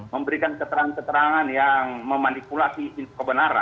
memberikan keterangan keterangan yang memanipulasi kebenaran